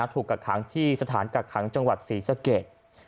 กักขังที่สถานกักขังจังหวัดศรีสะเกด